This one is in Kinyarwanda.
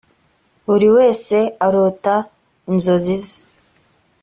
buri wese arota inzozi ze